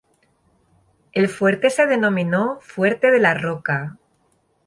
El fuerte se denominó “"Fuerte de la Roca"".